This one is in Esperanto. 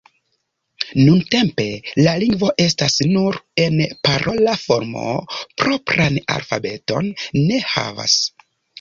Nuntempe la lingvo estas nur en parola formo, propran alfabeton ne havas.